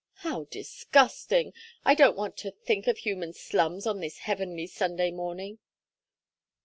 "How disgusting! I don't want to think of human slums on this heavenly Sunday morning."